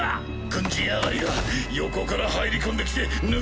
軍人上がりが横から入り込んできてぬけぬけと！